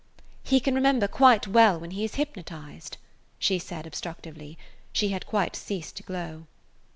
"He can remember quite well when he is hypnotized," she said obstructively. She had quite ceased to glow.